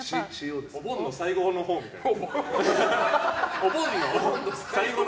お盆の最後のほうみたいな。